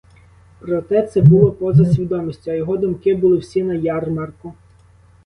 Проте це було поза; свідомістю, а його думки були всі на ярмарку.